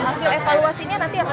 hasil evaluasinya nanti apa